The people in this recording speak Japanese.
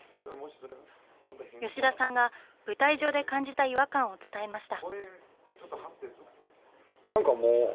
吉田さんが舞台上で感じた違和感を伝えました。